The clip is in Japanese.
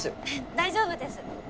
大丈夫です。